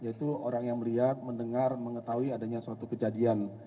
yaitu orang yang melihat mendengar mengetahui adanya suatu kejadian